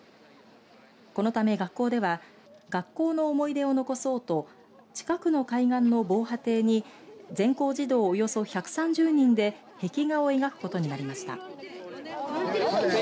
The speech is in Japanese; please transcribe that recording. このため学校では学校の思い出を残そうと近くの海岸の防波堤に全校児童およそ１３０人で壁画を描くことになりました。